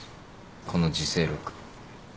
この『自省録』